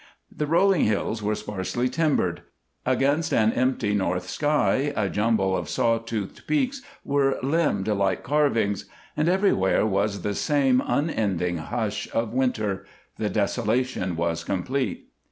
The rolling hills were sparsely timbered, against an empty north sky a jumble of saw toothed peaks were limned like carvings, and everywhere was the same unending hush of winter. The desolation was complete.